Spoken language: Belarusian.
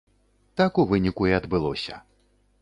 Так у выніку і адбылося.